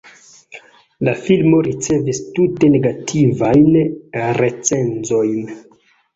La filmo ricevis tute negativajn recenzojn.